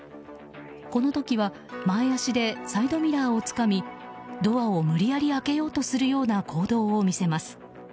この時は前足でサイドミラーをつかみドアを無理やり開けようとするような行動を見せます。